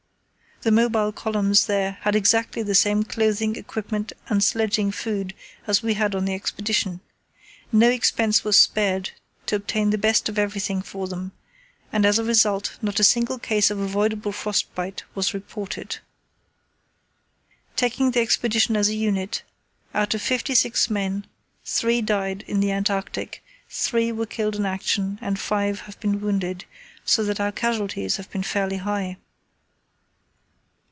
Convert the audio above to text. The mobile columns there had exactly the same clothing, equipment, and sledging food as we had on the Expedition. No expense was spared to obtain the best of everything for them, and as a result not a single case of avoidable frost bite was reported. [Illustration: 7. Very Open Pack, approximating to Drift ice] [Illustration: 8. Drift Ice] Taking the Expedition as a unit, out of fifty six men three died in the Antarctic, three were killed in action, and five have been wounded, so that our casualties have been fairly high.